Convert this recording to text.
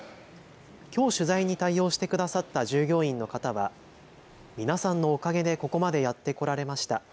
きょう取材に対応してくださった従業員の方は皆さんのおかげでここまでやってこられました。